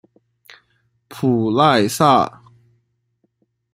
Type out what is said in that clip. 普赖萨。